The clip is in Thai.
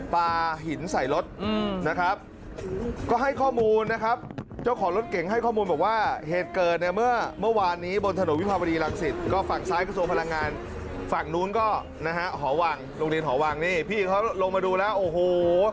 ปลาหินใส่รถนะครับก็ให้ข้อมูลนะครับเจ้าของรถเก่งให้ข้อมูลบอกว่าเหตุเกิดเนี่ยเมื่อเมื่อวานนี้บนถนนวิภาวดีรังสิตก็ฝั่งซ้ายกระทรวงพลังงานฝั่งนู้นก็นะฮะหอวังโรงเรียนหอวังนี่พี่เขาลงมาดูแล้วโอ้โห